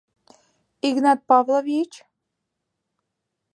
Игнат Павлович!..